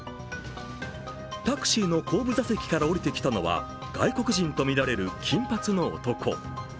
タクシーの後部座席から降りてきたのは外国人とみられる金髪の男。